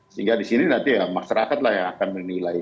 sehingga di sini nanti ya masyarakat lah yang akan menilai